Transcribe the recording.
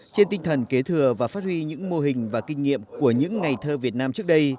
trên tinh thần kế thừa và phát huy những mô hình và kinh nghiệm của những ngày thơ việt nam trước đây